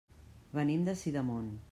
Venim de Sidamon.